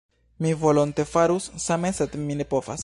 Mi volonte farus same, sed mi ne povas.